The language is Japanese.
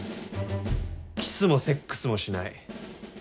キスもセックスもしない。